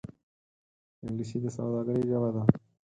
انګلیسي د سوداگرۍ ژبه ده